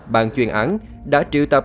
bạn truyền ảnh đã triệu tập